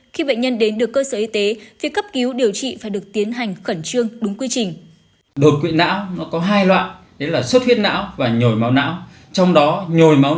khi bệnh nhân đến được cơ sở y tế việc cấp cứu điều trị phải được tiến hành khẩn trương đúng quy trình